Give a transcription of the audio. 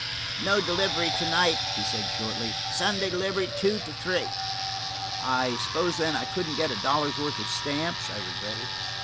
"No delivery to night," he said shortly. "Sunday delivery, two to three." "I suppose, then, I couldn't get a dollar's worth of stamps," I regretted.